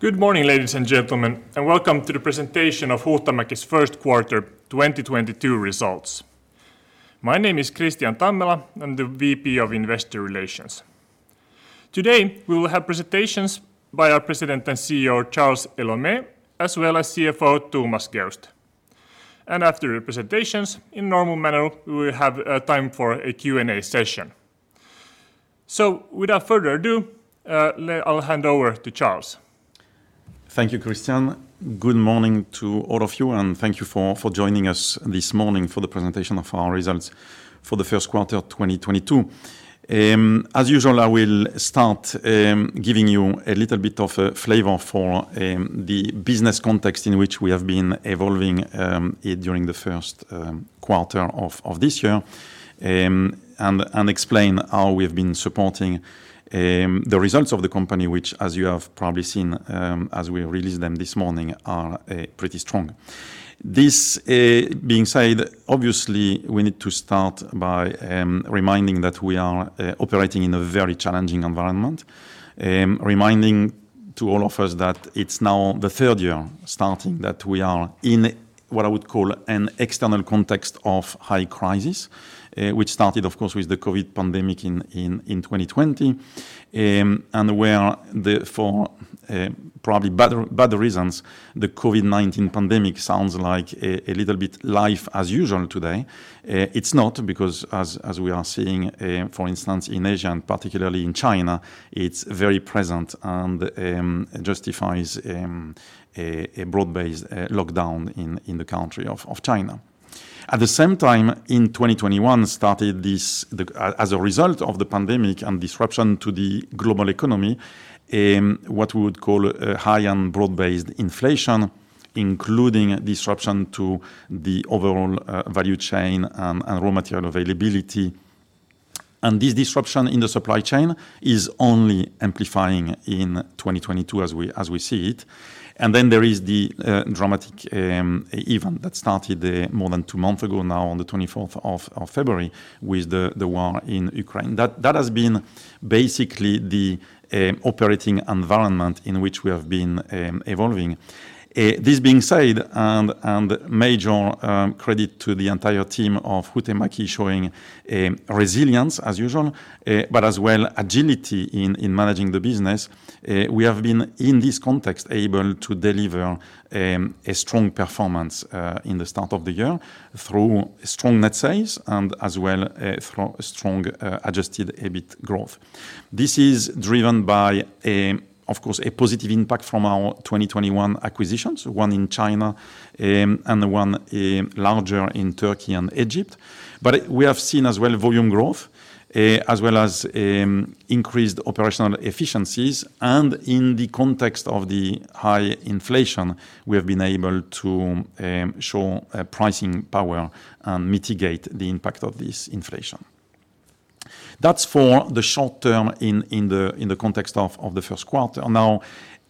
Good morning, ladies and gentlemen, and welcome to the presentation of Huhtamäki's first quarter 2022 results. My name is Kristian Tammela. I'm the VP of Investor Relations. Today, we will have presentations by our President and CEO, Charles Héaulmé, as well as CFO, Thomas Geust. After the presentations, in normal manner, we will have time for a Q&A session. Without further ado, I'll hand over to Charles. Thank you, Kristian. Good morning to all of you, and thank you for joining us this morning for the presentation of our results for the first quarter of 2022. As usual, I will start giving you a little bit of a flavor for the business context in which we have been evolving during the first quarter of this year, and explain how we've been supporting the results of the company, which as you have probably seen, as we released them this morning, are pretty strong. This being said, obviously we need to start by reminding that we are operating in a very challenging environment, reminding all of us that it's now the third year starting that we are in what I would call an external context of high crisis, which started of course with the COVID pandemic in 2020. For probably bad reasons, the COVID-19 pandemic sounds like a little bit like life as usual today. It's not because as we are seeing for instance in Asia and particularly in China, it's very present and justifies a broad-based lockdown in the country of China. At the same time, in 2021 started this, as a result of the pandemic and disruption to the global economy, what we would call a high-end broad-based inflation, including disruption to the overall value chain and raw material availability. This disruption in the supply chain is only amplifying in 2022 as we see it. Then there is the dramatic event that started more than two months ago now, on the 24th of February, with the war in Ukraine. That has been basically the operating environment in which we have been evolving. This being said, and major credit to the entire team of Huhtamäki showing resilience as usual, but as well agility in managing the business, we have been in this context able to deliver a strong performance in the start of the year, through strong net sales and as well through strong adjusted EBIT growth. This is driven by, of course, a positive impact from our 2021 acquisitions, one in China, and one larger in Turkey and Egypt. We have seen as well volume growth, as well as increased operational efficiencies. In the context of the high inflation, we have been able to show pricing power and mitigate the impact of this inflation. That's for the short term in the context of the first quarter. Now,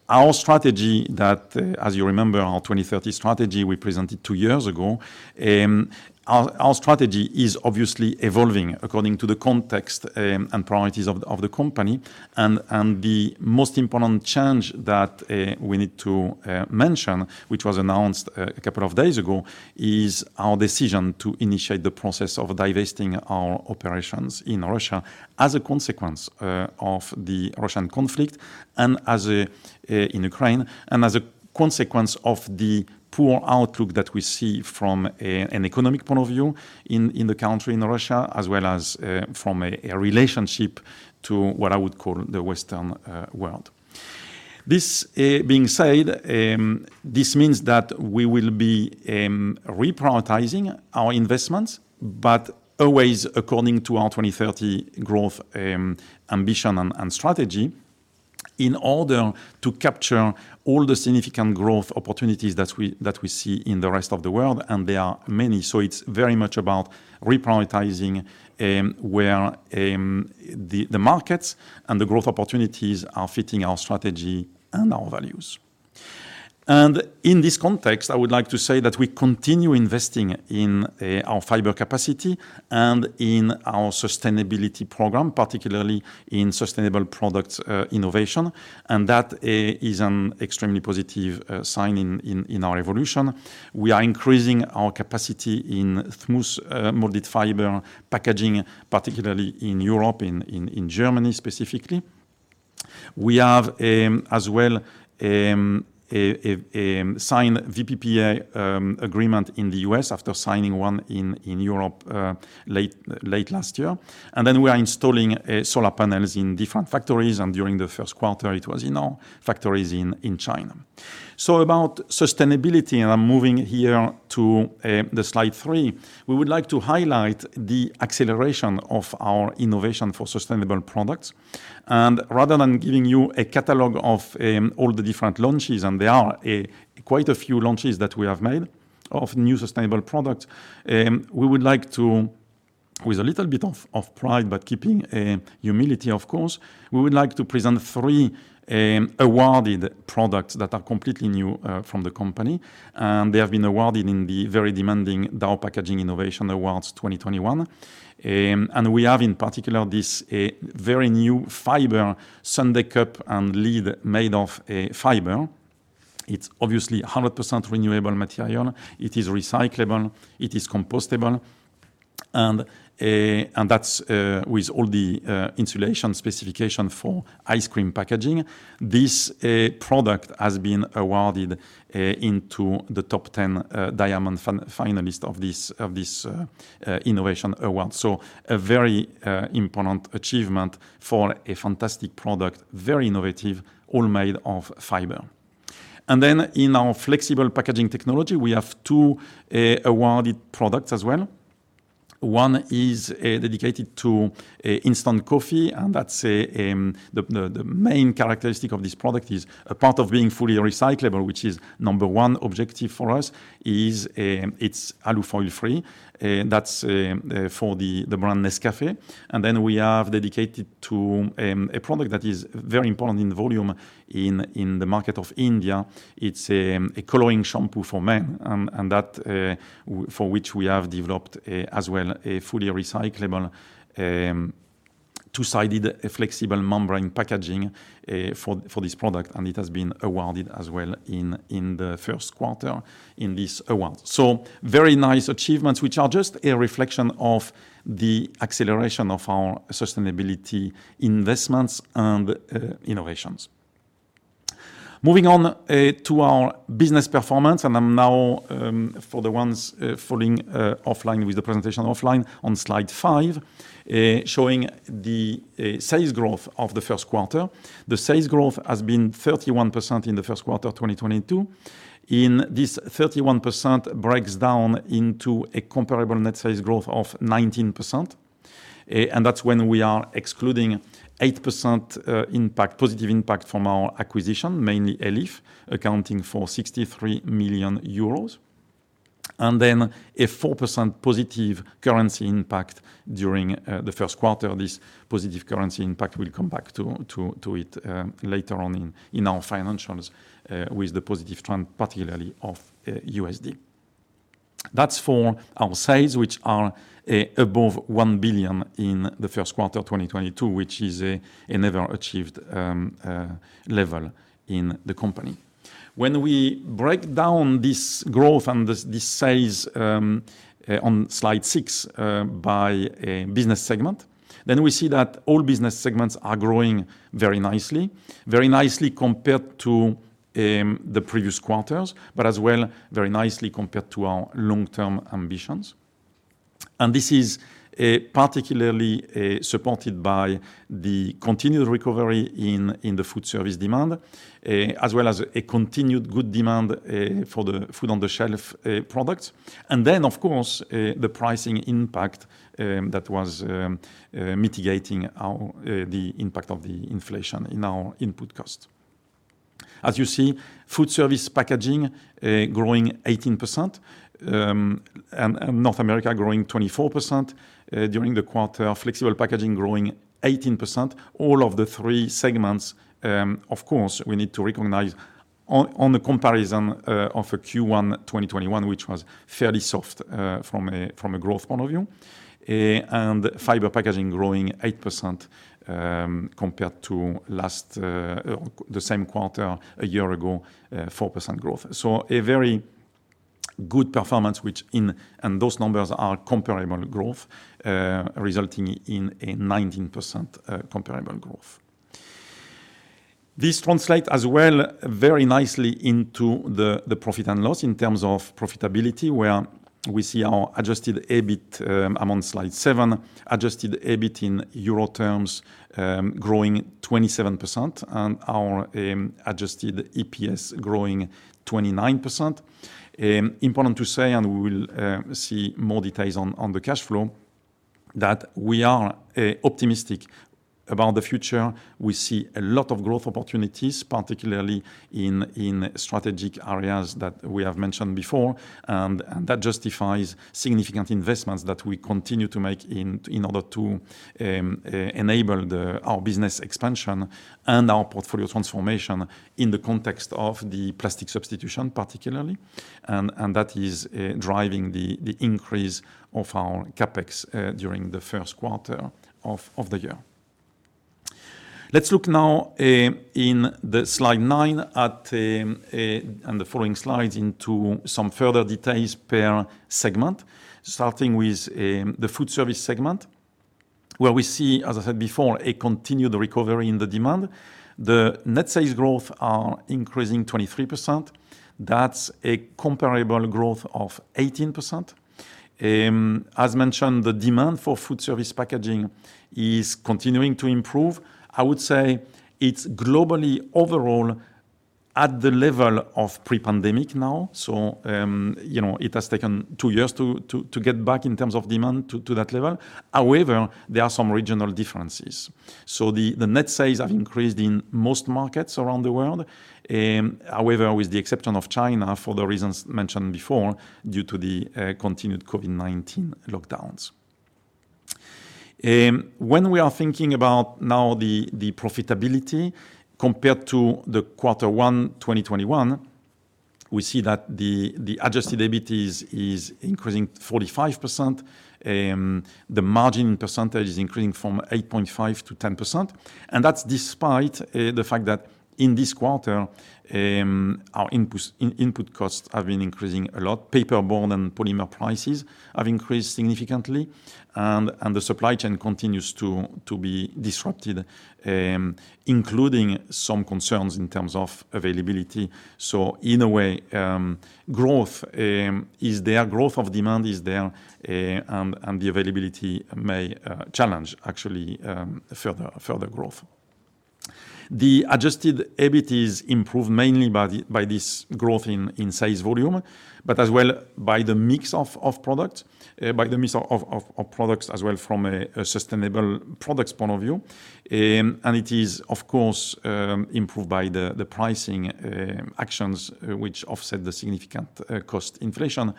our strategy that, as you remember, our 2030 strategy we presented 2 years ago, our strategy is obviously evolving according to the context and priorities of the company. The most important change that we need to mention, which was announced a couple of days ago, is our decision to initiate the process of divesting our operations in Russia as a consequence of the Russian conflict in Ukraine, and as a consequence of the poor outlook that we see from an economic point of view in the country in Russia, as well as from a relationship to what I would call the Western world. This being said, this means that we will be reprioritizing our investments, but always according to our 2030 growth ambition and strategy, in order to capture all the significant growth opportunities that we see in the rest of the world, and there are many. It's very much about reprioritizing where the markets and the growth opportunities are fitting our strategy and our values. In this context, I would like to say that we continue investing in our fiber capacity and in our sustainability program, particularly in sustainable product innovation, and that is an extremely positive sign in our evolution. We are increasing our capacity in smooth molded fiber packaging, particularly in Europe, in Germany specifically. We have as well a signed VPPA agreement in the U.S. after signing one in Europe late last year. We are installing solar panels in different factories, and during the first quarter it was in our factories in China. About sustainability, and I'm moving here to the slide 3, we would like to highlight the acceleration of our innovation for sustainable products. Rather than giving you a catalog of all the different launches, and there are quite a few launches that we have made of new sustainable products, we would like to, with a little bit of pride, but keeping humility of course, we would like to present three awarded products that are completely new from the company, and they have been awarded in the very demanding Dow Packaging Innovation Awards 2021. We have in particular this very new fiber sundae cup and lid made of fiber. It's obviously 100% renewable material. It is recyclable, it is compostable, and that's with all the insulation specification for ice cream packaging. This product has been awarded into the top 10 Diamond Finalist of this innovation award. A very important achievement for a fantastic product, very innovative, all made of fiber. In our Flexible Packaging technology, we have two awarded products as well. One is dedicated to instant coffee, and that's the main characteristic of this product is, apart from being fully recyclable, which is number one objective for us, it's alu foil free. That's for the brand Nescafé. We have dedicated to a product that is very important in volume in the market of India. It's a coloring shampoo for men, and for which we have developed as well, a fully recyclable two-sided flexible membrane packaging for this product. It has been awarded as well in the first quarter in this award. Very nice achievements, which are just a reflection of the acceleration of our sustainability investments and innovations. Moving on to our business performance, and I'm now, for the ones following offline with the presentation offline, on slide 5 showing the sales growth of the first quarter. The sales growth has been 31% in the first quarter, 2022. In this 31% breaks down into a comparable net sales growth of 19%. And that's when we are excluding 8% impact, positive impact from our acquisition, mainly Elif, accounting for 63 million euros. Then a 4% positive currency impact during the first quarter. This positive currency impact, we'll come back to it later on in our financials with the positive trend particularly of USD. That's for our sales, which are above 1 billion in the first quarter 2022, which is a never achieved level in the company. When we break down this growth and this sales on slide 6 by a business segment, then we see that all business segments are growing very nicely. Very nicely compared to the previous quarters, but as well very nicely compared to our long-term ambitions. This is particularly supported by the continued recovery in the Foodservice demand, as well as a continued good demand for the food on the shelf product. Of course, the pricing impact that was mitigating the impact of the inflation in our input cost. As you see, Foodservice Packaging growing 18%, and North America growing 24% during the quarter. Flexible Packaging growing 18%. All of the three segments, of course, we need to recognize on the comparison of a Q1 2021, which was fairly soft from a growth point of view. And Fiber Packaging growing 8% compared to the same quarter a year ago, 4% growth. A very good performance, and those numbers are comparable growth resulting in a 19% comparable growth. This translate as well very nicely into the profit and loss in terms of profitability, where we see our adjusted EBIT, I'm on slide 7, adjusted EBIT in euro terms growing 27% and our adjusted EPS growing 29%. Important to say, and we will see more details on the cash flow, that we are optimistic about the future. We see a lot of growth opportunities, particularly in strategic areas that we have mentioned before, and that justifies significant investments that we continue to make in order to enable our business expansion and our portfolio transformation in the context of the plastic substitution particularly. That is driving the increase of our CapEx during the first quarter of the year. Let's look now in slide 9 at and the following slides into some further details per segment, starting with the Foodservice segment, where we see, as I said before, a continued recovery in the demand. The net sales growth are increasing 23%. That's a comparable growth of 18%. As mentioned, the demand for Foodservice Packaging is continuing to improve. I would say it's globally overall at the level of pre-pandemic now. You know, it has taken two years to get back in terms of demand to that level. However, there are some regional differences. The net sales have increased in most markets around the world, however, with the exception of China, for the reasons mentioned before, due to the continued COVID-19 lockdowns. When we are thinking about now the profitability compared to Q1 2021, we see that the adjusted EBIT is increasing 45%. The margin percentage is increasing from 8.5% to 10%. That's despite the fact that in this quarter, our input costs have been increasing a lot. Paperboard and polymer prices have increased significantly, and the supply chain continues to be disrupted, including some concerns in terms of availability. In a way, growth is there, growth of demand is there, and the availability may challenge actually further growth. The adjusted EBIT is improved mainly by this growth in sales volume, but as well by the mix of products as well from a sustainable products point of view. It is of course improved by the pricing actions which offset the significant cost inflation.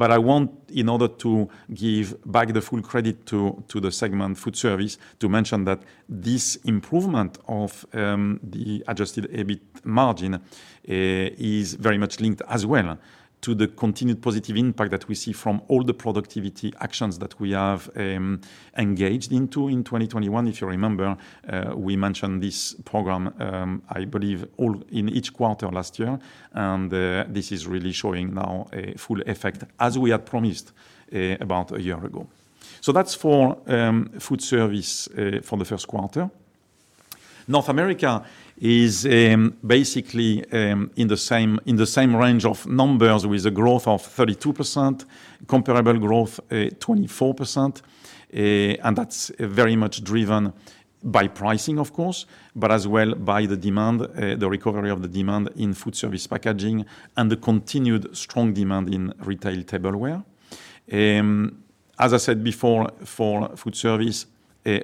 I want in order to give back the full credit to the segment Foodservice, to mention that this improvement of the adjusted EBIT margin is very much linked as well to the continued positive impact that we see from all the productivity actions that we have engaged into in 2021. If you remember, we mentioned this program, I believe in each quarter last year, and this is really showing now a full effect as we had promised about a year ago. That's for Foodservice for the first quarter. North America is basically in the same range of numbers with a growth of 32%, comparable growth 24%. That's very much driven by pricing of course, but as well by the demand, the recovery of the demand in Foodservice Packaging and the continued strong demand in Retail Tableware. As I said before, for Foodservice,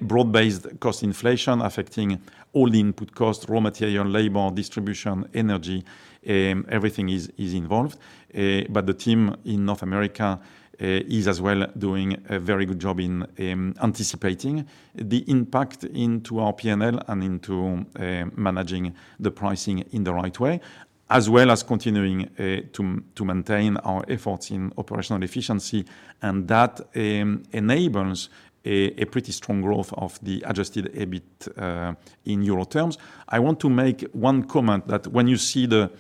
broad-based cost inflation affecting all the input costs, raw material, labor, distribution, energy, everything is involved. The team in North America is as well doing a very good job in anticipating the impact into our P&L and into managing the pricing in the right way, as well as continuing to maintain our efforts in operational efficiency. That enables a pretty strong growth of the adjusted EBIT in euro terms. I want to make one comment that when you see the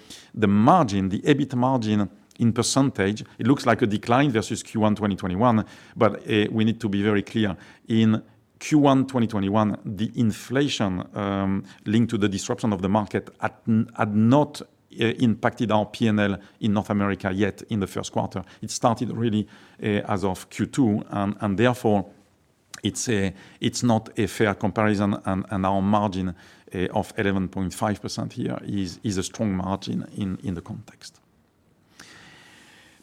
margin, the EBIT margin in percentage, it looks like a decline versus Q1 2021, but we need to be very clear. In Q1 2021, the inflation linked to the disruption of the market had not impacted our P&L in North America yet in the first quarter. It started really as of Q2, and therefore it's not a fair comparison and our margin of 11.5% here is a strong margin in the context.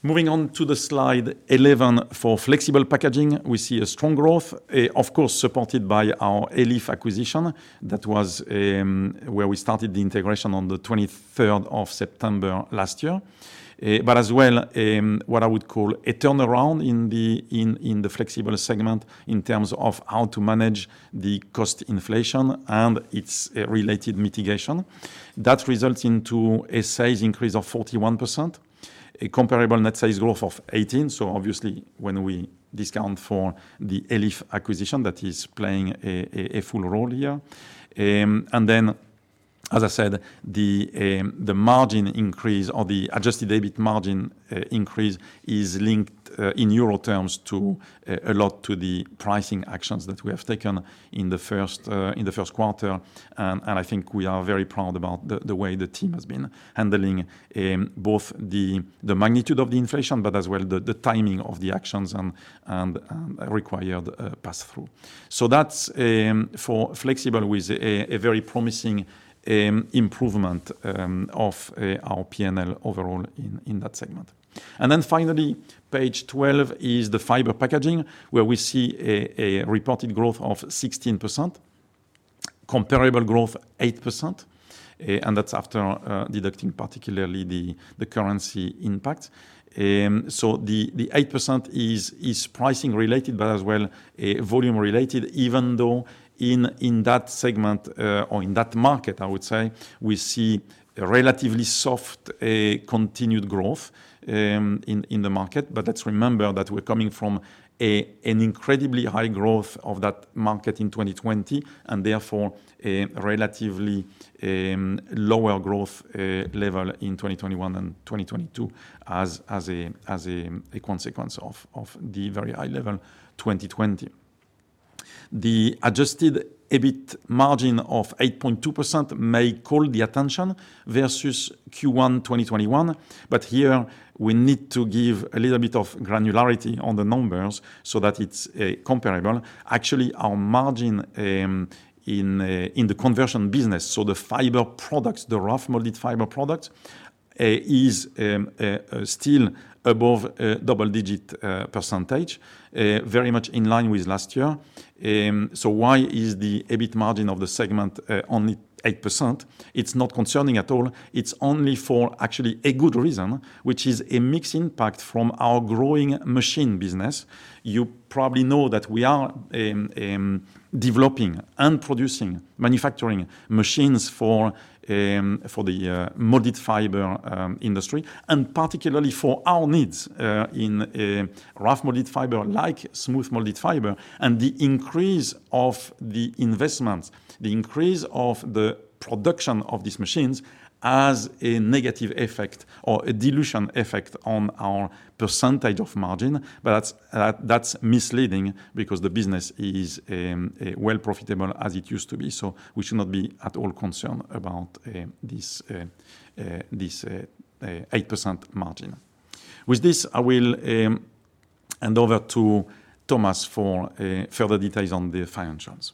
Moving on to the slide 11 for Flexible Packaging, we see a strong growth, of course, supported by our Elif acquisition. That was where we started the integration on the 23rd of September last year. As well, what I would call a turnaround in the Flexible segment in terms of how to manage the cost inflation and its related mitigation. That results into a sales increase of 41%, a comparable net sales growth of 18%. Obviously, when we discount for the Elif acquisition, that is playing a full role here. As I said, the margin increase or the adjusted EBIT margin increase is linked in euro terms to a lot to the pricing actions that we have taken in the first quarter. I think we are very proud about the way the team has been handling both the magnitude of the inflation, but as well the timing of the actions and required pass-through. That's for Flexible with a very promising improvement of our P&L overall in that segment. Then finally, page 12 is the Fiber Packaging, where we see a reported growth of 16%, comparable growth 8%, and that's after deducting particularly the currency impact. The 8% is pricing related, but as well volume related, even though in that segment, or in that market, I would say, we see a relatively soft continued growth in the market. Let's remember that we're coming from an incredibly high growth of that market in 2020 and, therefore, a relatively lower growth level in 2021 and 2022 as a consequence of the very high level 2020. The adjusted EBIT margin of 8.2% may call the attention versus Q1 2021, but here we need to give a little bit of granularity on the numbers so that it's comparable. Actually, our margin in the conversion business, so the fiber products, the rough molded fiber product is still above a double-digit percentage very much in line with last year. Why is the EBIT margin of the segment only 8%? It's not concerning at all. It's only for actually a good reason, which is a mixed impact from our growing machine business. You probably know that we are developing and producing manufacturing machines for the molded fiber industry, and particularly for our needs in rough molded fiber like smooth molded fiber. The increase of the investments, the increase of the production of these machines, has a negative effect or a dilution effect on our percentage of margin. That's misleading because the business is still profitable as it used to be. We should not be at all concerned about this 8% margin. With this, I will hand over to Thomas for further details on the financials.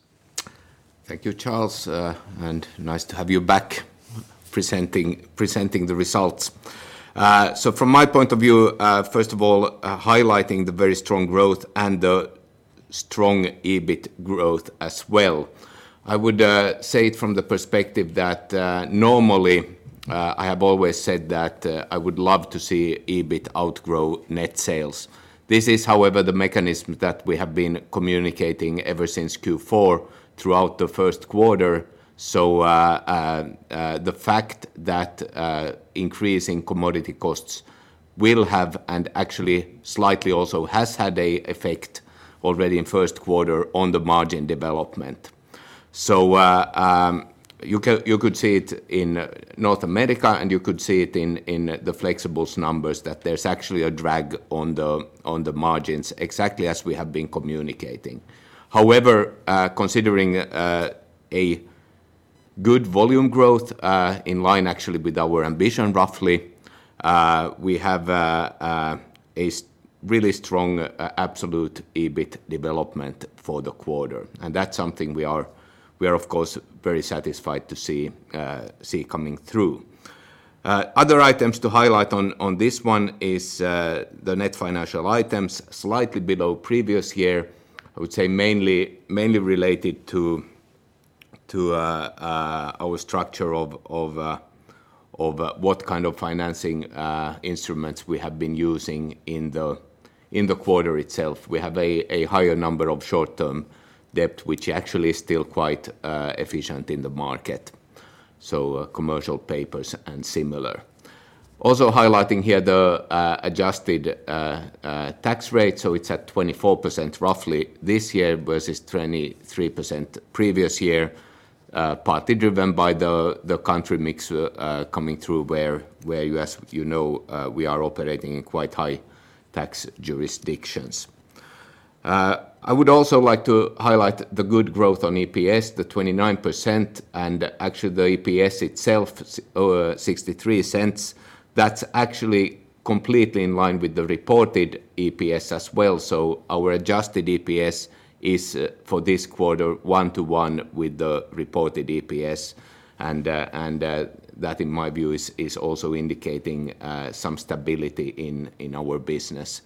Thank you, Charles. Nice to have you back presenting the results. From my point of view, first of all, highlighting the very strong growth and the strong EBIT growth as well. I would say it from the perspective that, normally, I have always said that, I would love to see EBIT outgrow net sales. This is however, the mechanism that we have been communicating ever since Q4 throughout the first quarter. The fact that, increasing commodity costs will have, and actually slightly also has had an effect already, in first quarter on the margin development. You could see it in North America and you could see it in the Flexibles numbers, that there's actually a drag on the margins exactly as we have been communicating. However, considering a good volume growth in line actually with our ambition roughly, we have a really strong absolute EBIT development for the quarter. That's something we are of course very satisfied to see coming through. Other items to highlight on this one is the net financial items slightly below previous year, I would say mainly related to our structure of what kind of financing instruments we have been using in the quarter itself. We have a higher number of short-term debt which actually is still quite efficient in the market, so commercial paper and similar. Also highlighting here the adjusted tax rate. It's at 24% roughly this year versus 23% previous year, partly driven by the country mix coming through where you know we are operating in quite high tax jurisdictions. I would also like to highlight the good growth on EPS, the 29%, and actually the EPS itself or 0.63. That's actually completely in line with the reported EPS as well. Our adjusted EPS is, for this quarter, one-to-one with the reported EPS and that in my view is also indicating some stability in our business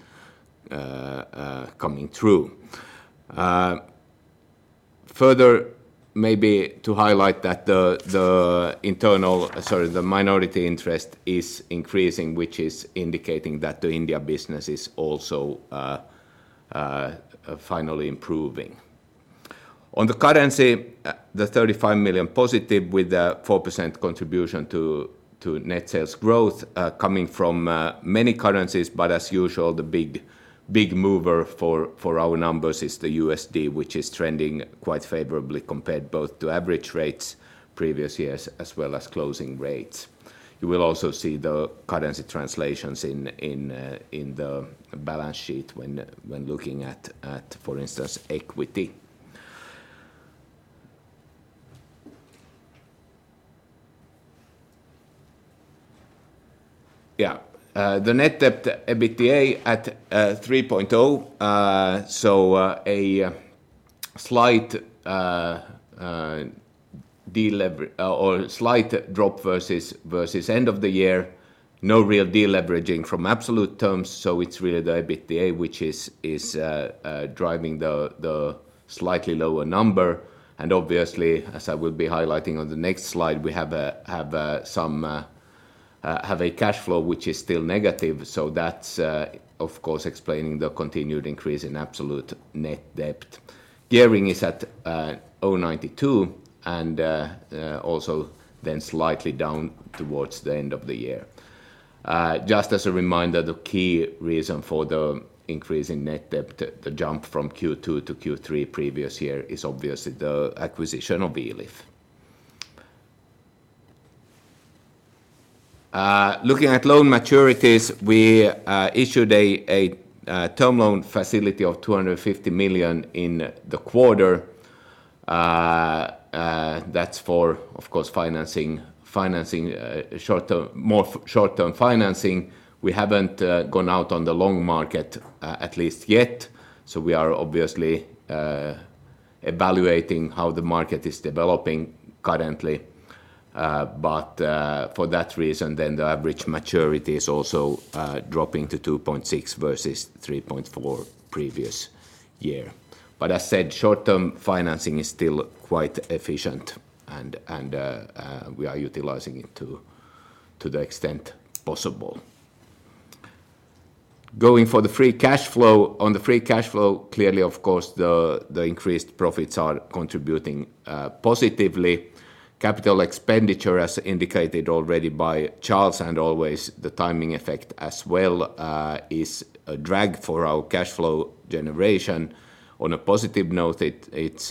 coming through. Further, maybe to highlight that the minority interest is increasing, which is indicating that the India business is also finally improving. On the currency, the 35 million positive with a 4% contribution to net sales growth, coming from many currencies. As usual, the big mover for our numbers is the USD which is trending quite favorably compared both to average rates previous years as well as closing rates. You will also see the currency translations in the balance sheet when looking at, for instance, equity. The net debt/EBITDA at 3.0. A slight drop versus end of the year, no real deleveraging from absolute terms. It's really the EBITDA which is driving the slightly lower number. Obviously, as I will be highlighting on the next slide, we have a cash flow which is still negative. That's of course explaining the continued increase in absolute net debt. Gearing is at 92% and also then slightly down towards the end of the year. Just as a reminder, the key reason for the increase in net debt, the jump from Q2 to Q3 previous year is obviously the acquisition of Elif. Looking at loan maturities, we issued a term loan facility of 250 million in the quarter. That's for, of course, financing short-term financing. We haven't gone out on the long market at least yet, so we are obviously evaluating how the market is developing currently. For that reason then the average maturity is also dropping to 2.6 versus 3.4 previous year. As said, short-term financing is still quite efficient and we are utilizing it to the extent possible. Going to the free cash flow. On the free cash flow, clearly of course the increased profits are contributing positively. Capital expenditure as indicated already by Charles and always the timing effect as well is a drag for our cash flow generation. On a positive note, it's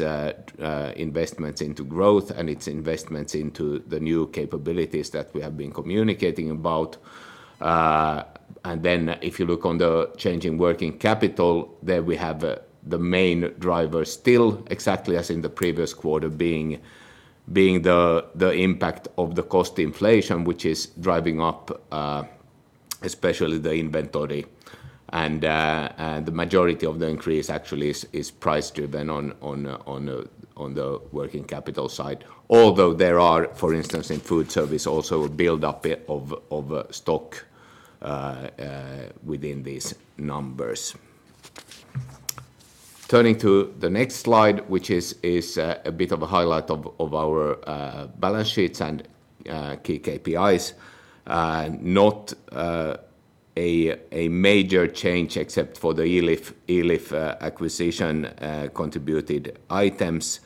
investments into growth and investments into the new capabilities that we have been communicating about. If you look on the change in working capital, there we have the main driver still exactly as in the previous quarter being the impact of the cost inflation, which is driving up especially the inventory, and the majority of the increase actually is price-driven on the working capital side. Although there are, for instance, in Foodservice also a build-up of stock within these numbers. Turning to the next slide, which is a bit of a highlight of our balance sheets and key KPIs. Not a major change except for the Elif acquisition contributed items.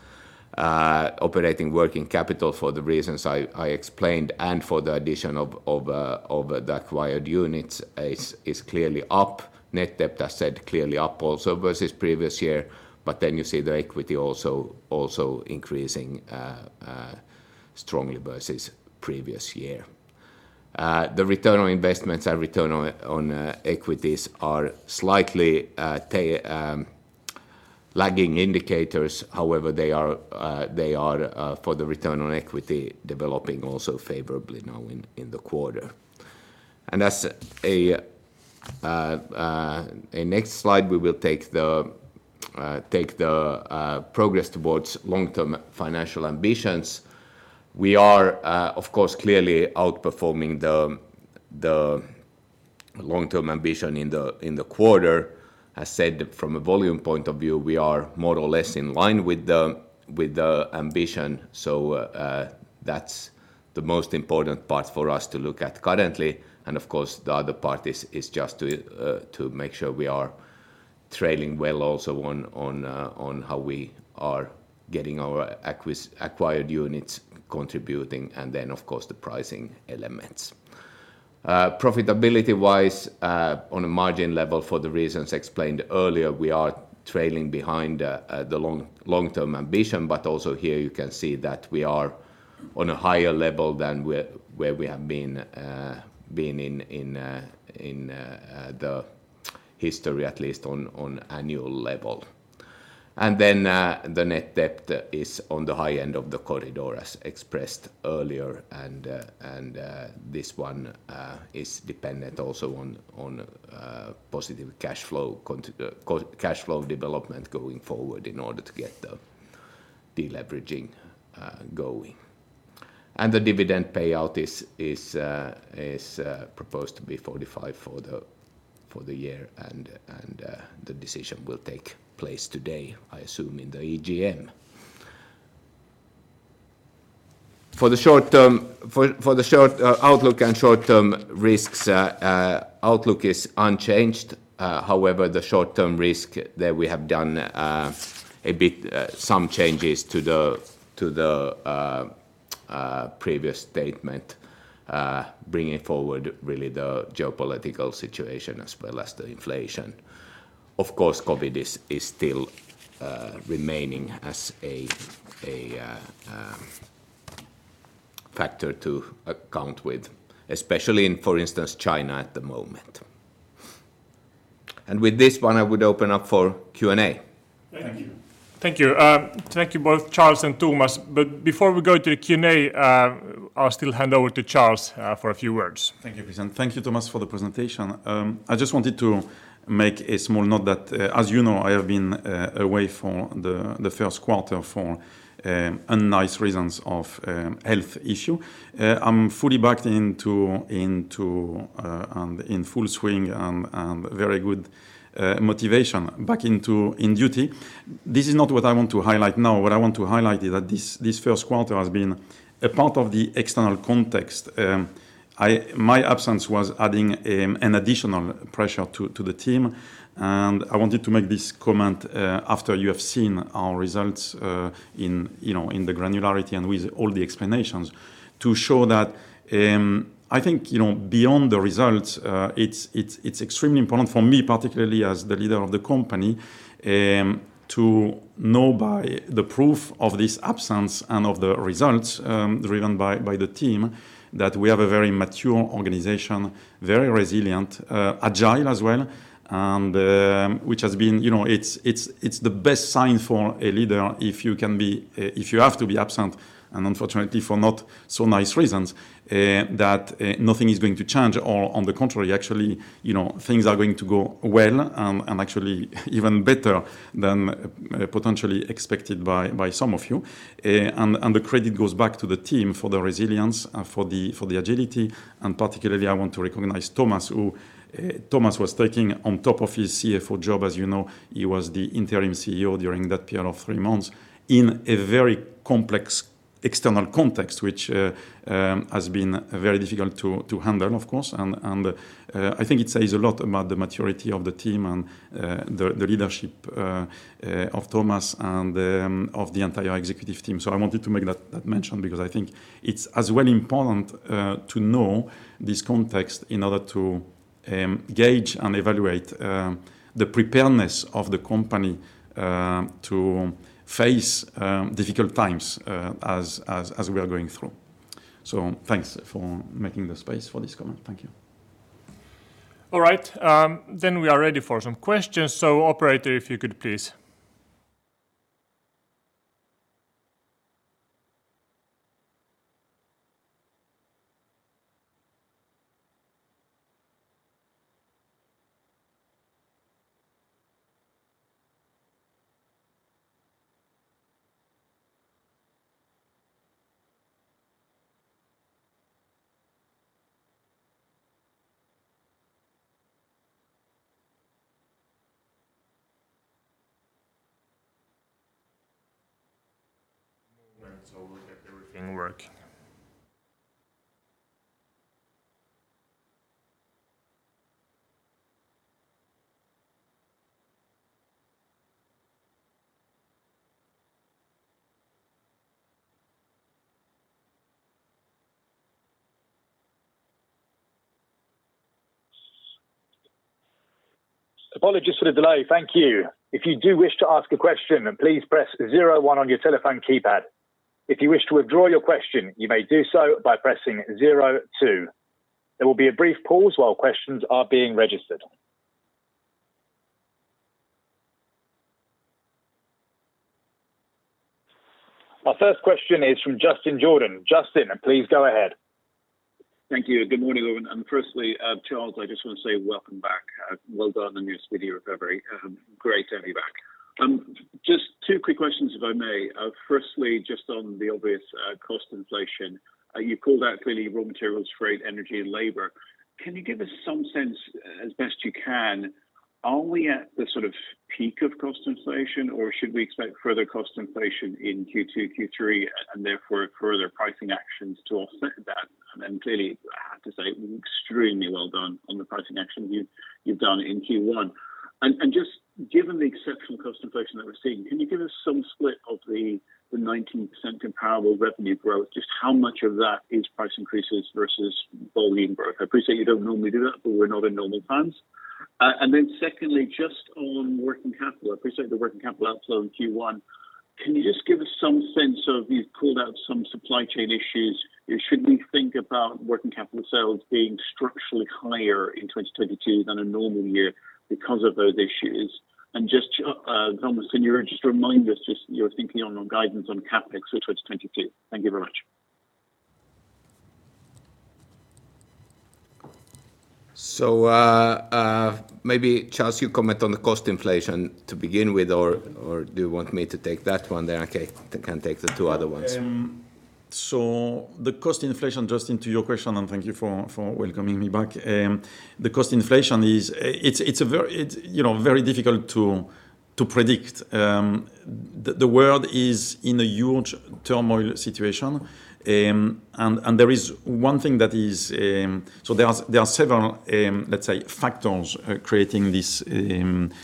Operating working capital for the reasons I explained and for the addition of the acquired units is clearly up. Net debt, as said, clearly up also versus previous year, but then you see the equity also increasing strongly versus previous year. The return on investments and return on equities are slightly lagging indicators. However, they are for the return on equity developing also favorably now in the quarter. As a...in next slide, we will take the progress towards long-term financial ambitions. We are, of course, clearly outperforming the long-term ambition in the quarter. As said, from a volume point of view, we are more or less in line with the ambition, so that's the most important part for us to look at currently. Of course, the other part is just to make sure we are trailing well also on how we are getting our acquired units contributing, and then of course the pricing elements. Profitability-wise, on a margin level for the reasons explained earlier, we are trailing behind the long-term ambition. Also here, you can see that we are on a higher level than where we have been in the history, at least on annual level. Then, the net debt is on the high end of the corridor as expressed earlier, and this one is dependent also on positive cashflow development going forward, in order to get the de-leveraging going. The dividend payout is proposed to be 45% for the year and the decision will take place today, I assume, in the EGM. For the short-term outlook and short-term risks, outlook is unchanged. However, the short-term risks that we have done some changes to the previous statement, bringing forward really the geopolitical situation as well as the inflation. Of course, COVID is still remaining as a factor to account with, especially, for instance, in China at the moment. With this one, I would open up for Q&A. Thank you. Thank you. Thank you both, Charles and Thomas. Before we go to the Q&A, I'll still hand over to Charles for a few words. Thank you, Kristian, and thank you, Thomas, for the presentation. I just wanted to make a small note that, as you know, I have been away for the first quarter for unfortunate reasons of health issue. I'm fully back into and in full swing and very good motivation back in duty. This is not what I want to highlight now. What I want to highlight is that this first quarter has been a part of the external context. My absence was adding an additional pressure to the team, and I wanted to make this comment after you have seen our results, you know, in the granularity and with all the explanations to show that, I think, you know, beyond the results, it's extremely important for me, particularly as the leader of the company, to know by the proof of this absence and of the results, driven by the team that we have a very mature organization, very resilient, agile as well, and which has been-... You know, it's the best sign for a leader if you can be, if you have to be absent, and unfortunately for not so nice reasons, that nothing is going to change or on the contrary, actually, you know, things are going to go well, and actually even better than potentially expected by some of you. The credit goes back to the team for the resilience, for the agility, and particularly I want to recognize Thomas, who... Thomas was taking on top of his CFO job, as you know, he was the interim CEO during that period of three months in a very complex external context, which has been very difficult to handle, of course. I think it says a lot about the maturity of the team, and the leadership of Thomas, and of the entire executive team. I wanted to make that mention because I think it's as well important to know this context in order to gauge and evaluate the preparedness of the company to face difficult times as we are going through. Thanks for making the space for this comment. Thank you. All right. We are ready for some questions. Operator, if you could please. One moment while we get everything working. Apologies for the delay. Thank you. If you do wish to ask a question, then please press zero one on your telephone keypad. If you wish to withdraw your question, you may do so by pressing zero two. There will be a brief pause while questions are being registered. Our first question is from Justin Jordan. Justin, please go ahead. Thank you. Good morning, everyone. Firstly, Charles, I just want to say welcome back. Well done on your speedy recovery. Great to have you back. Just two quick questions, if I may. Firstly, just on the obvious, cost inflation. You called out clearly raw materials, freight, energy and labor. Can you give us some sense as best you can, are we at the sort of peak of cost inflation, or should we expect further cost inflation in Q2, Q3, and therefore further pricing actions to offset that? Clearly, I have to say extremely well done on the pricing action you've done in Q1. Just given the exceptional cost inflation that we're seeing, can you give us some split of the 19% comparable revenue growth? Just how much of that is price increases versus volume growth? I appreciate you don't normally do that, but we're not in normal times. Secondly, just on working capital. I appreciate the working capital outflow in Q1. Can you just give us some sense of it? You've pulled out some supply chain issues. Should we think about working capital sales being structurally higher in 2022 than a normal year because of those issues? Just, Thomas, can you just remind us your thinking on guidance on CapEx for 2022? Thank you very much. Maybe Charles, you comment on the cost inflation to begin with or do you want me to take that one, then I can take the two other ones? The cost inflation, Justin, to your question, and thank you for welcoming me back. The cost inflation is, you know, very difficult to predict. The world is in a huge turmoil situation. There is one thing that is... There are several, let's say, factors creating this, the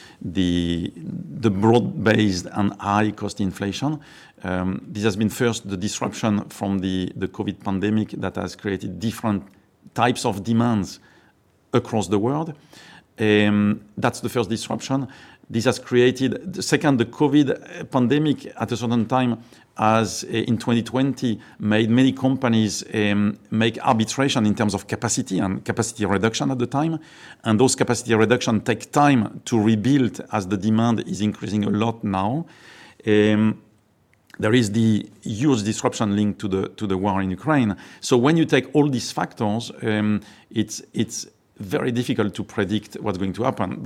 broad-based and high cost inflation. This has been first the disruption from the COVID pandemic that has created different types of demands across the world. That's the first disruption. This has created...The second, the COVID pandemic at a certain time as in 2020 made many companies make alterations in terms of capacity reduction at the time. Those capacity reduction take time to rebuild as the demand is increasing a lot now. There is the huge disruption linked to the war in Ukraine. When you take all these factors, it's very difficult to predict what's going to happen.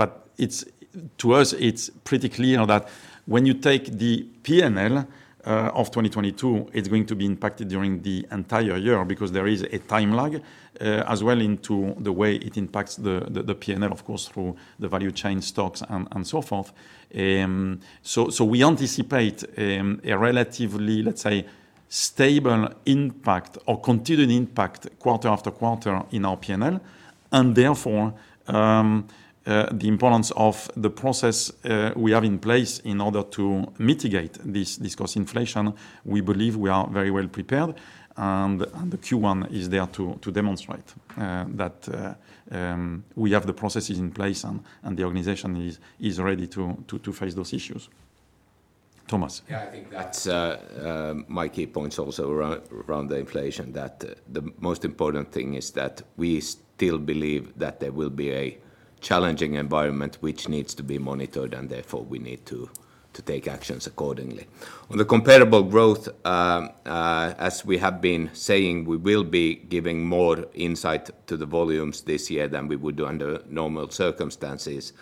To us, it's pretty clear that when you take the P&L of 2022, it's going to be impacted during the entire year because there is a time lag as well into the way it impacts the P&L, of course, through the value chain stocks, and so forth. We anticipate a relatively, let's say, stable impact or continued impact quarter after quarter in our P&L. Therefore, the importance of the process we have in place in order to mitigate this cost inflation, we believe we are very well prepared. The Q1 is there to demonstrate that we have the processes in place and the organization is ready to face those issues. Thomas. Yeah. I think that's my key points also around the inflation, that the most important thing is that we still believe that there will be a challenging environment which needs to be monitored, and therefore we need to take actions accordingly. On the comparable growth, as we have been saying, we will be giving more insight to the volumes this year than we would do under normal circumstances.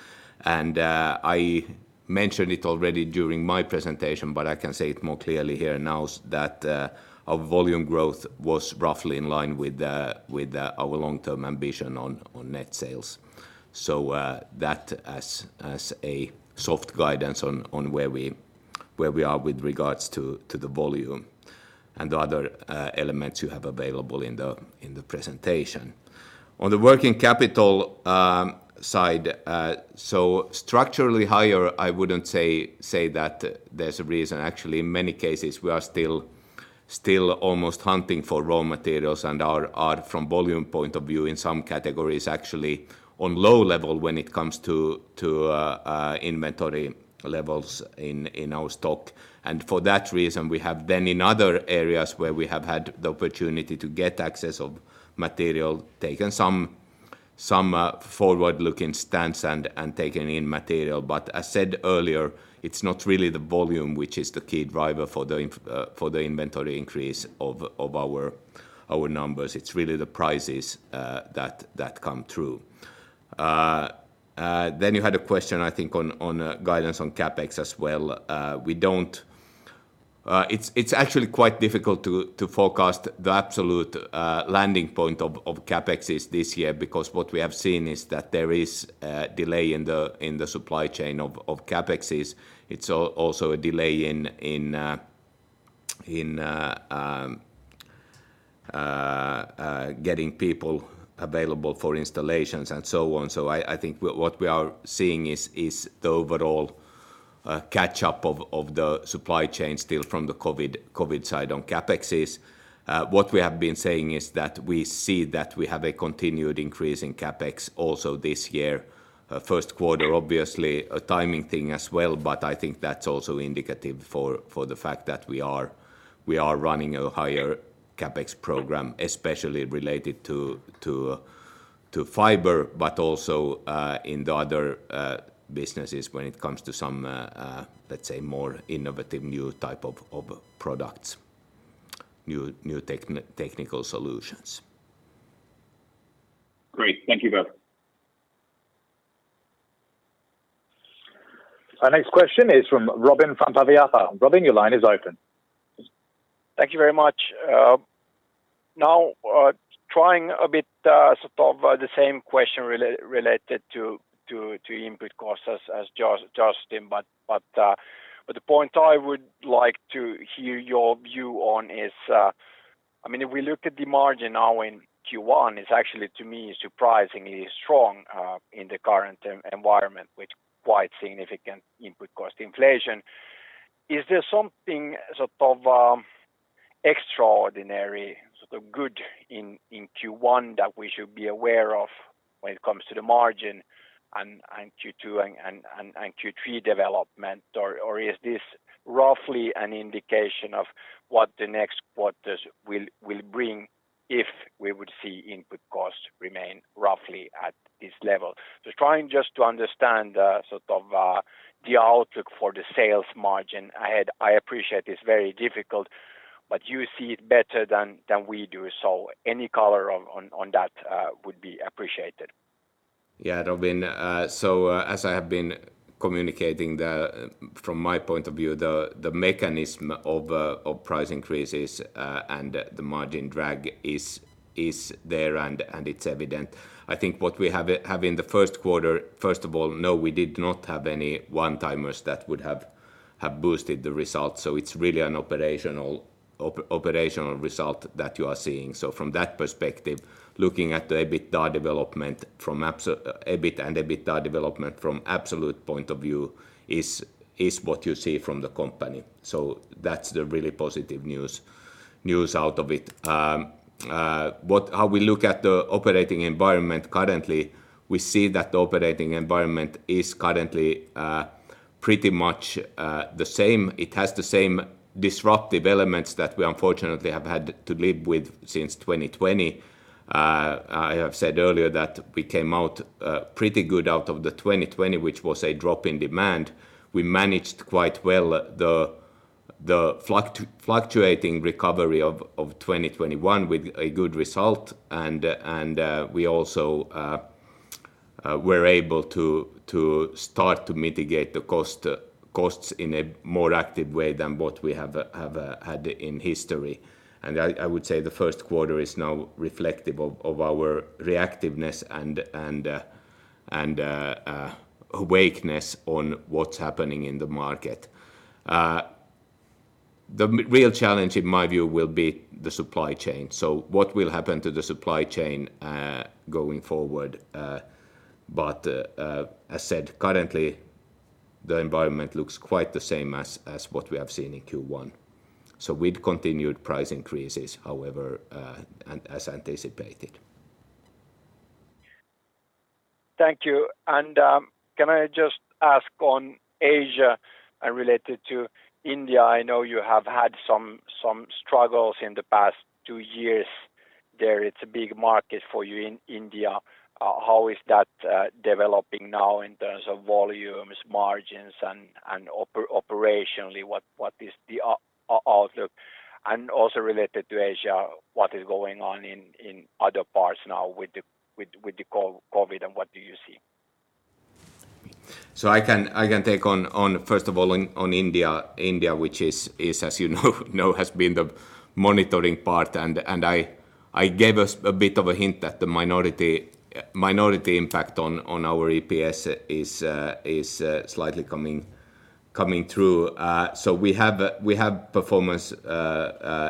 I mentioned it already during my presentation, but I can say it more clearly here now is that our volume growth was roughly in line with our long-term ambition on net sales. That as a soft guidance on where we are with regards to the volume and the other elements you have available in the presentation. On the working capital side, so structurally higher, I wouldn't say that there's a reason. Actually, in many cases, we are still almost hunting for raw materials and are, from volume point of view, in some categories actually on low level when it comes to inventory levels in our stock. For that reason, we have then in other areas where we have had the opportunity to get access of material, taken some forward-looking stance and taking in material. As said earlier, it's not really the volume which is the key driver for the inventory increase of our numbers. It's really the prices that come through. Then you had a question I think on guidance on CapEx as well. We don't... It's actually quite difficult to forecast the absolute landing point of CapExes this year because what we have seen is that there is delay in the supply chain of CapExes. It's also a delay in getting people available for installations, and so on. I think what we are seeing is the overall catch-up of the supply chain still from the COVID side on CapExes. What we have been saying is that we see that we have a continued increase in CapEx also this year. First quarter obviously a timing thing as well, but I think that's also indicative for the fact that we are running a higher CapEx program, especially related to fiber, but also in the other businesses when it comes to some, let's say more innovative new type of products, new technical solutions. Great. Thank you, guys Our next question is from Robin Santavirta. Robin, your line is open. Thank you very much. Now, trying a bit, sort of, the same question related to input costs as Josh, Justin, but the point I would like to hear your view on is, I mean, if we look at the margin now in Q1, it's actually to me surprisingly strong in the current environment with quite significant input cost inflation. Is there something sort of extraordinary, sort of good in Q1 that we should be aware of when it comes to the margin and Q2 and Q3 development? Or is this roughly an indication of what the next quarters will bring if we would see input costs remain roughly at this level? Just trying to understand, sort of, the outlook for the sales margin ahead. I appreciate it's very difficult, but you see it better than we do. Any color on that would be appreciated. Yeah, Robin. As I have been communicating from my point of view, the mechanism of price increases and the margin drag is there and it's evident. I think what we have in the first quarter, first of all, no, we did not have any one-timers that would have boosted the results. It's really an operational result that you are seeing. From that perspective, looking at the EBIT and EBITDA development from absolute point of view is what you see from the company. That's the really positive news out of it. How we look at the operating environment currently, we see that the operating environment is currently pretty much the same. It has the same disruptive elements that we unfortunately have had to live with since 2020. I have said earlier that we came out pretty good out of the 2020, which was a drop in demand. We managed quite well the fluctuating recovery of 2021 with a good result. We also were able to start to mitigate the costs in a more active way than what we have had in history. I would say the first quarter is now reflective of our reactiveness and awakeness on what's happening in the market. The real challenge in my view will be the supply chain. What will happen to the supply chain, going forward, but as said, currently the environment looks quite the same as what we have seen in Q1. With continued price increases, however, as anticipated. Thank you. Can I just ask on Asia and related to India? I know you have had some struggles in the past two years there. It's a big market for you in India. How is that developing now in terms of volumes, margins and operationally what is the outlook? Also related to Asia, what is going on in other parts now with the COVID and what do you see? I can take on first of all on India. India, which is as you know has been the monitoring part and I gave us a bit of a hint that the minority impact on our EPS is slightly coming through. We have performance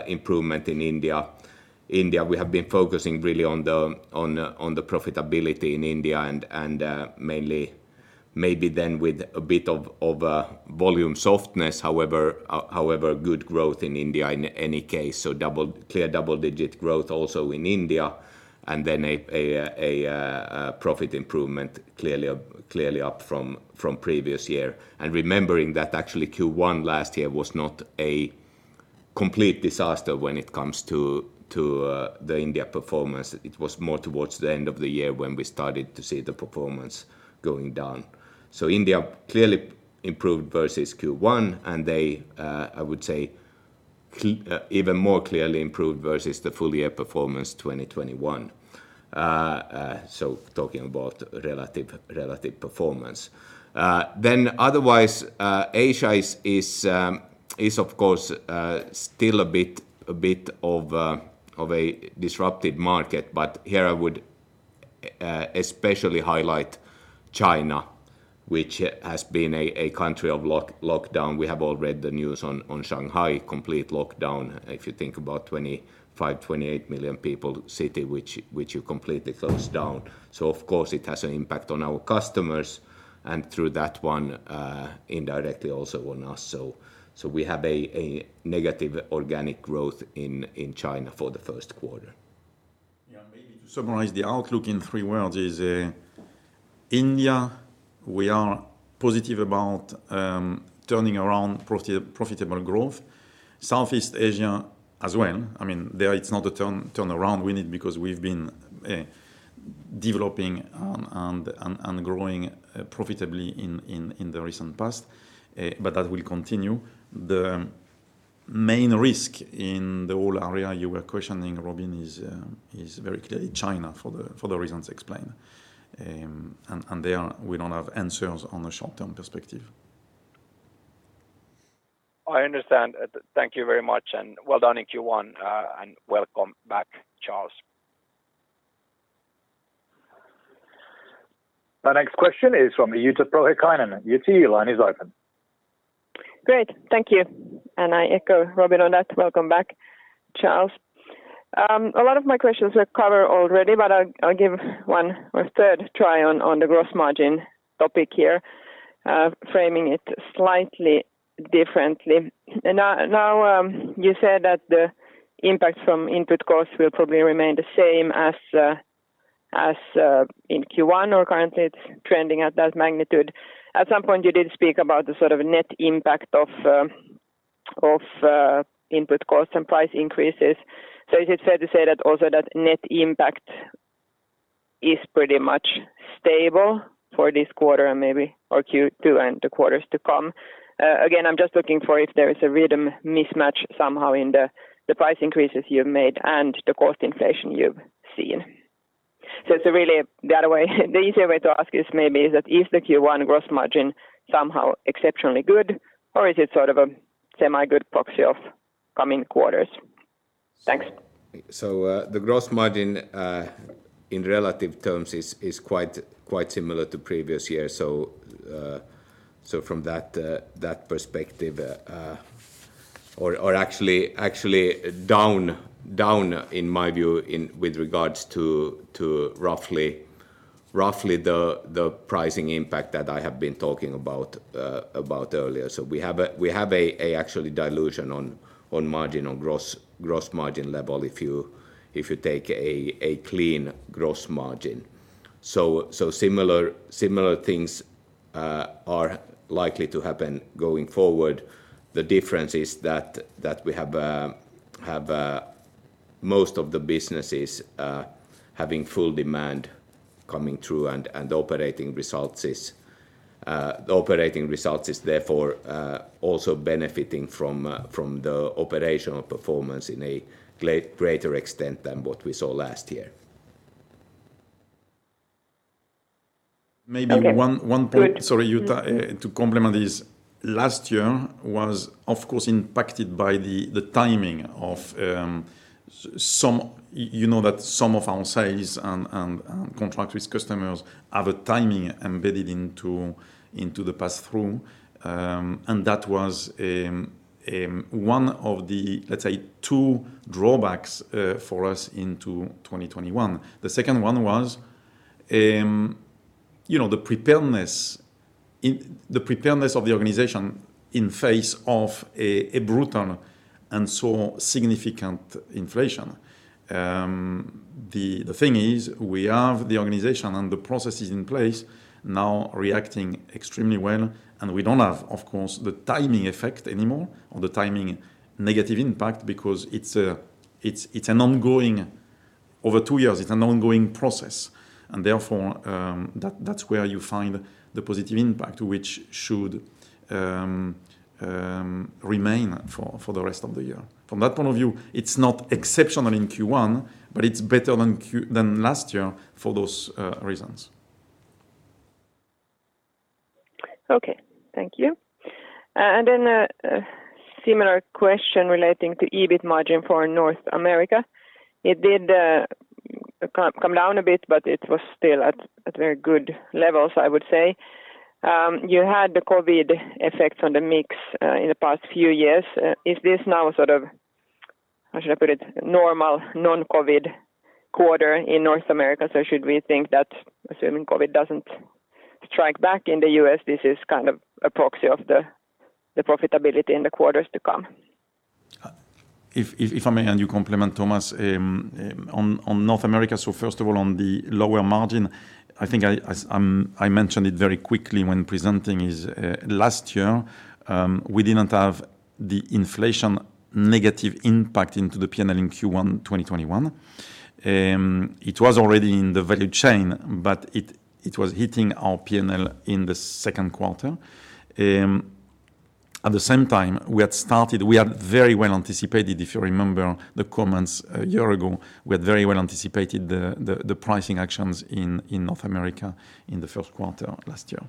improvement in India. India, we have been focusing really on the profitability in India and mainly maybe then with a bit of volume softness. However good growth in India in any case. Clear double-digit growth also in India and then a profit improvement clearly up from previous year. Remembering that actually Q1 last year was not a complete disaster when it comes to the India performance. It was more towards the end of the year when we started to see the performance going down. India clearly improved versus Q1, and they, I would say, even more clearly improved versus the full year performance 2021. Talking about relative performance. Otherwise, Asia is of course still a bit of a disrupted market. Here I would especially highlight China, which has been a country of lockdown. We have all read the news on Shanghai's complete lockdown. If you think about a 25-28 million-person city, which you completely close down. Of course it has an impact on our customers and through that one indirectly also on us. We have negative organic growth in China for the first quarter. Yeah. Maybe to summarize the outlook in three words is India, we are positive about turning around profitable growth. Southeast Asia as well. I mean, there it's not a turnaround we need because we've been developing and growing profitably in the recent past. That will continue. The main risk in the whole area you were questioning, Robin, is very clearly China for the reasons explained. There we don't have answers on a short-term perspective. I understand. Thank you very much and well done in Q1, and welcome back, Charles. The next question is from Jutta Rahikainen. Jutta, your line is open. Great. Thank you. I echo Robin on that. Welcome back, Charles. A lot of my questions were covered already, but I'll give one or third try on the gross margin topic here, framing it slightly differently. Now, you said that the impact from input costs will probably remain the same as in Q1 or currently it's trending at that magnitude. At some point, you did speak about the sort of net impact of input costs and price increases. Is it fair to say that also that net impact is pretty much stable for this quarter and maybe for Q2 and the quarters to come? Again, I'm just looking for if there is a rhythm mismatch somehow in the price increases you've made and the cost inflation you've seen. It's a really. The other way, the easier way to ask is maybe the Q1 gross margin somehow exceptionally good, or is it sort of a semi-good proxy of coming quarters? Thanks. The gross margin in relative terms is quite similar to previous years. From that perspective, or actually down in my view with regards to roughly the pricing impact that I have been talking about earlier. We have a actual dilution on margin on gross margin level if you take a clean gross margin. Similar things are likely to happen going forward. The difference is that we have most of the businesses having full demand coming through, and operating results is therefore also benefiting from the operational performance to a greater extent than what we saw last year. Okay. Maybe one point. Sorry, Jutta, to complement this. Last year was, of course, impacted by the timing of some of our sales and contract with customers have a timing embedded into the pass through. That was one of the, let's say, two drawbacks for us into 2021. The second one was, you know, the preparedness of the organization in face of a brutal and so significant inflation. The thing is we have the organization and the processes in place now reacting extremely well, and we don't have, of course, the timing effect anymore or the timing negative impact because it's an ongoing, over two years, it's an ongoing process. Therefore, that's where you find the positive impact, which should remain for the rest of the year. From that point of view, it's not exceptional in Q1, but it's better than last year for those reasons. Okay. Thank you. A similar question relating to EBIT margin for North America. It did come down a bit, but it was still at very good levels, I would say. You had the COVID effects on the mix in the past few years. Is this now sort of, how should I put it, normal non-COVID quarter in North America? Should we think that assuming COVID doesn't strike back in the U.S., this is kind of a proxy of the profitability in the quarters to come? If I may, to complement Thomas on North America. First of all, on the lower margin, I think, as I mentioned it very quickly when presenting, last year we didn't have the inflation negative impact into the P&L in Q1 2021. It was already in the value chain, but it was hitting our P&L in the second quarter. At the same time, we had very well anticipated, if you remember the comments a year ago, we had very well anticipated the pricing actions in North America in the first quarter last year.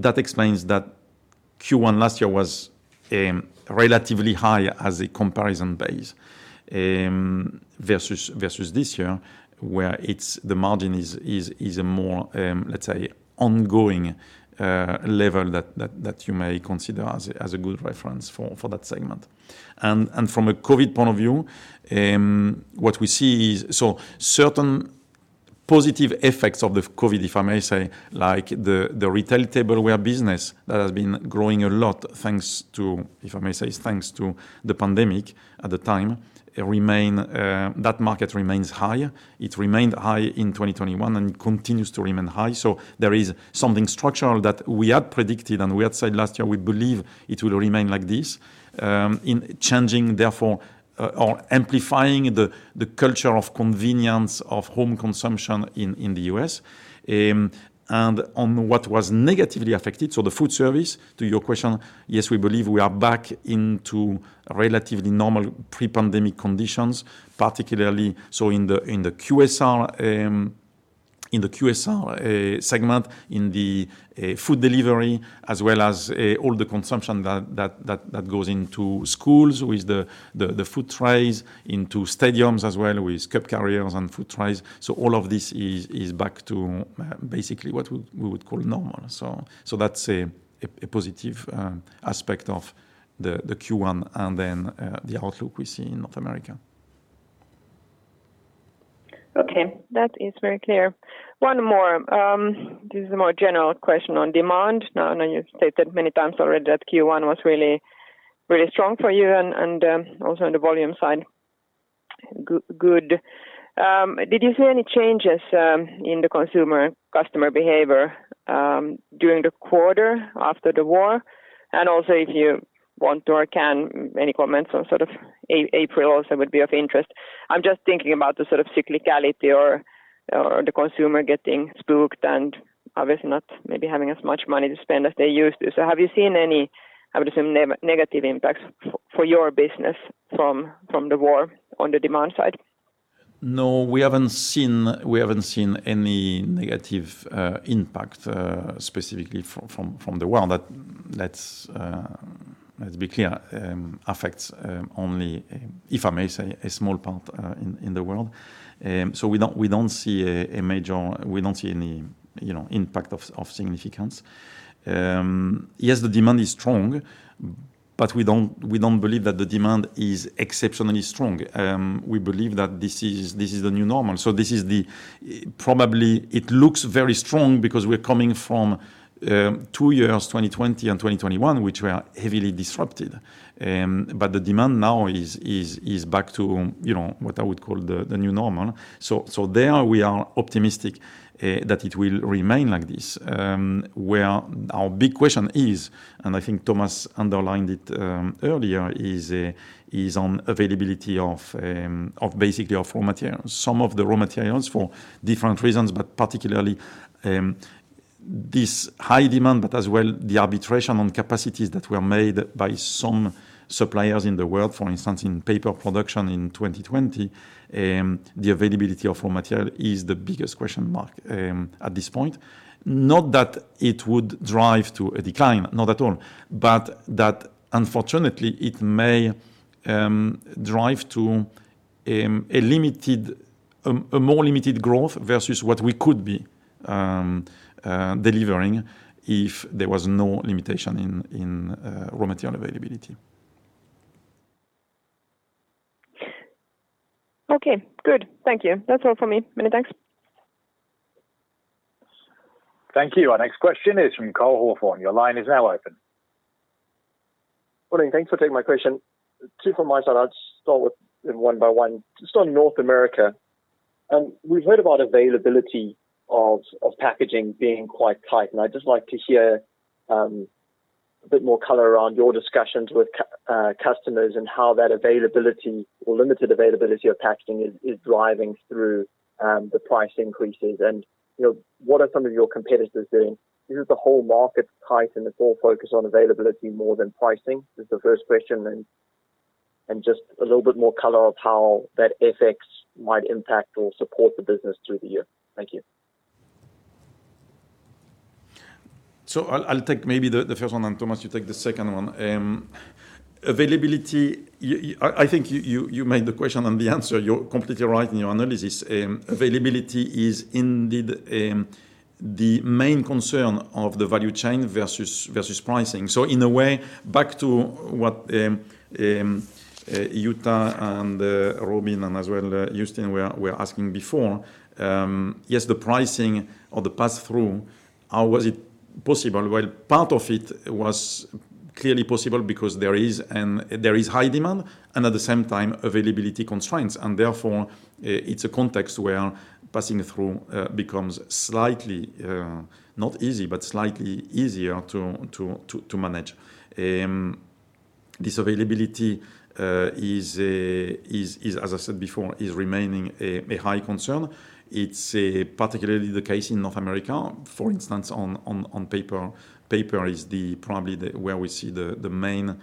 That explains that Q1 last year was relatively high as a comparison base versus this year, where the margin is a more, let's say, ongoing level that you may consider as a good reference for that segment. From a COVID point of view, what we see is so certain positive effects of the COVID, if I may say, like the Retail Tableware business that has been growing a lot, thanks to, if I may say, the pandemic at the time, that market remains high. It remained high in 2021 and continues to remain high. There is something structural that we had predicted, and we had said last year we believe it will remain like this, in changing therefore or amplifying the culture of convenience of home consumption in the U.S. On what was negatively affected, the Foodservice, to your question, yes, we believe we are back into relatively normal pre-pandemic conditions, particularly so in the QSR segment, in the food delivery, as well as all the consumption that goes into schools with the food trays, into stadiums as well with cup carriers and food trays. All of this is back to basically what we would call normal. That's a positive aspect of the Q1 and then the outlook we see in North America. Okay. That is very clear. One more. This is a more general question on demand. Now, I know you've stated many times already that Q1 was really strong for you and also on the volume side, good. Did you see any changes in the consumer customer behavior during the quarter after the war? And also if you want to or can, any comments on sort of April also would be of interest. I'm just thinking about the sort of cyclicality, or the consumer getting spooked, and obviously not maybe having as much money to spend as they used to. Have you seen any, I would assume, negative impacts for your business from the war on the demand side? No, we haven't seen any negative impact specifically from the war. Let's be clear, affects only, if I may say, a small part in the world. We don't see any, you know, impact of significance. Yes, the demand is strong, but we don't believe that the demand is exceptionally strong. We believe that this is the new normal. Probably it looks very strong because we're coming from two years, 2020 and 2021, which were heavily disrupted. The demand now is back to, you know, what I would call the new normal. There we are optimistic that it will remain like this. Where our big question is, and I think Thomas underlined it earlier, is on availability of basically raw materials. Some of the raw materials for different reasons, but particularly this high demand, but as well the allocation on capacities that were made by some suppliers in the world, for instance, in paper production in 2020, the availability of raw material is the biggest question mark at this point. Not that it would drive to a decline, not at all, but that unfortunately, it may drive to a more limited growth versus what we could be delivering if there was no limitation in raw material availability. Okay, good. Thank you. That's all for me. Many thanks. Thank you. Our next question is from Cole Hathorn. Your line is now open. Morning. Thanks for taking my question. Two from my side. I'll start with one by one. Just on North America, we've heard about availability of packaging being quite tight, and I'd just like to hear a bit more color around your discussions with customers, and how that availability or limited availability of packaging is driving through the price increases. You know, what are some of your competitors doing? Is it the whole market's tight and it's all focused on availability more than pricing? That's the first question. Just a little bit more color on how that FX might impact or support the business through the year. Thank you. I'll take maybe the first one, and Thomas, you take the second one. Availability, I think you made the question and the answer. You're completely right in your analysis. Availability is indeed the main concern of the value chain versus pricing. In a way, back to what Jutta and Robin and as well Justin were asking before, yes, the pricing or the pass-through, how was it possible. Well, part of it was clearly possible because there is high demand, and at the same time availability constraints. Therefore, it's a context where passing through becomes slightly not easy, but slightly easier to manage. This availability is, as I said befor,e remaining a high concern. It's particularly the case in North America, for instance, on paper. Paper is probably where we see the main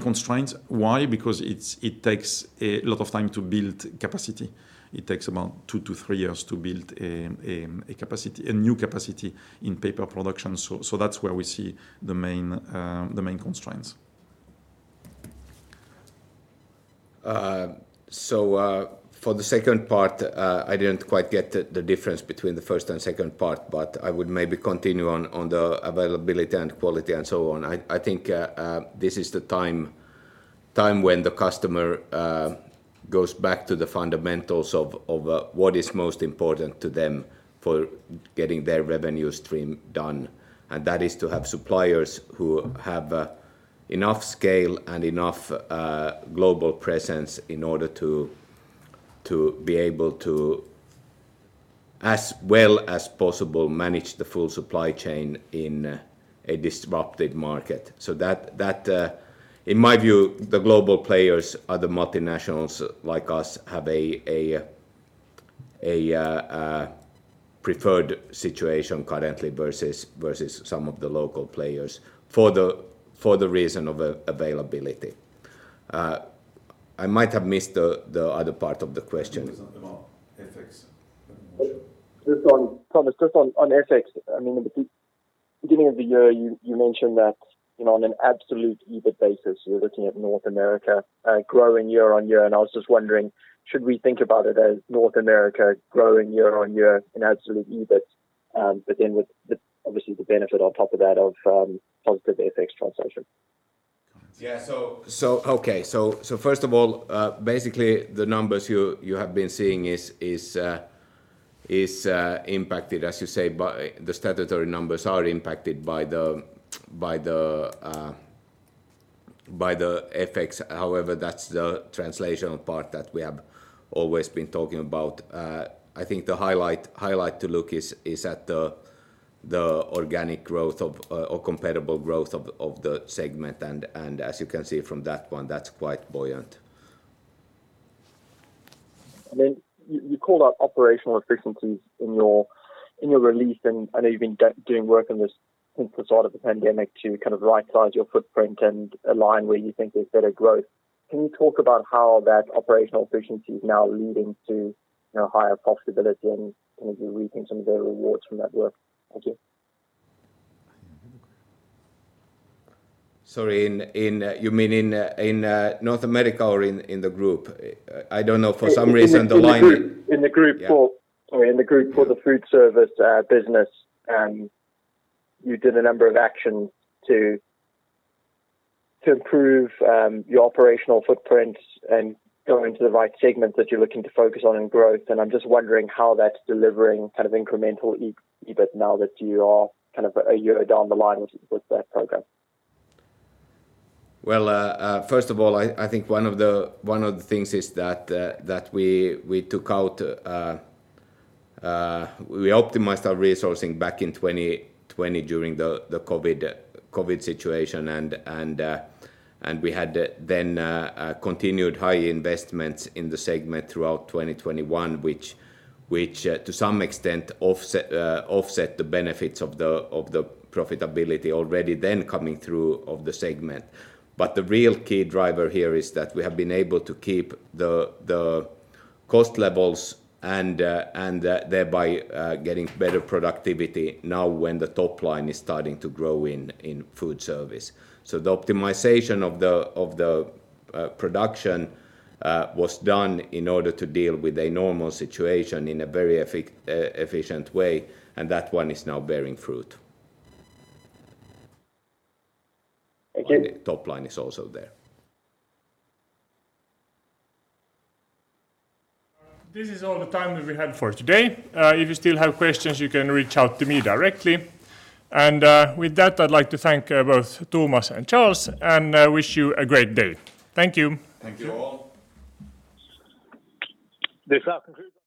constraints. Why? Because it takes a lot of time to build capacity. It takes about two to three years to build a new capacity in paper production. So, that's where we see the main constraints. For the second part, I didn't quite get the difference between the first and second part, but I would maybe continue on the availability and quality and so on. I think this is the time when the customer goes back to the fundamentals of what is most important to them for getting their revenue stream done. That is to have suppliers who have enough scale and enough global presence in order to be able to, as well as possible, manage the full supply chain in a disrupted market. That in my view, the global players or the multinationals like us have a preferred situation currently versus some of the local players for the reason of availability. I might have missed the other part of the question. It was about FX. Thomas, just on FX. I mean, at the beginning of the year, you mentioned that, you know, on an absolute EBIT basis, you're looking at North America growing year-on-year. I was just wondering, should we think about it as North America growing year-on-year in absolute EBIT, but then with obviously the benefit on top of that of positive FX translation? Yeah. Okay. First of all, basically the numbers you have been seeing is impacted, as you say by... The statutory numbers are impacted by the FX. However, that's the translational part that we have always been talking about. I think the highlight to look is at the organic growth or comparable growth of the segment. As you can see from that one, that's quite buoyant. You called out operational efficiencies in your release, and I know you've been doing work on this since the start of the pandemic, to kind of rightsize your footprint and align where you think there's better growth. Can you talk about how that operational efficiency is now leading to, you know, higher profitability? Kind of you're reaping some of the rewards from that work. Thank you. Sorry. You mean in North America or in the group? I don't know for some reason the line. In the group for- Yeah. Sorry, in the group for the Foodservice business. You did a number of actions to improve your operational footprint and go into the right segments that you're looking to focus on in growth. I'm just wondering how that's delivering kind of incremental EBIT now that you are kind of a year down the line with that program. Well, first of all, I think one of the things is that we optimized our resourcing back in 2020 during the COVID situation. We had then continued high investments in the segment throughout 2021, which to some extent, offset the benefits of the profitability already then coming through of the segment. The real key driver here is that we have been able to keep the cost levels and thereby getting better productivity now when the top line is starting to grow in Foodservice. The optimization of the production was done in order to deal with a normal situation in a very efficient way, and that one is now bearing fruit. Thank you. Top line is also there. This is all the time that we have for today. If you still have questions, you can reach out to me directly. With that, I'd like to thank both Thomas and Charles and wish you a great day. Thank you. Thank you all. This now concludes our.